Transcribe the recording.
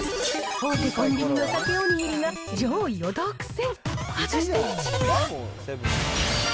大手コンビニのサケお握りが、上位を独占。